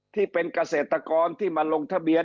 ที่เป็นเกษตรกรที่มาลงทะเบียน